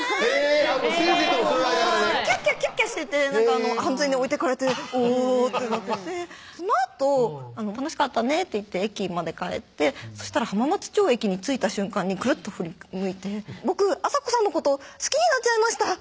って先生ともそういう間柄でキャッキャキャッキャしてて完全に置いてかれておぉってなっててそのあと「楽しかったね」と言って駅まで帰ってそしたら浜松町駅に着いた瞬間にくるっと振り向いて「僕亜沙子さんのこと好きになっちゃいました」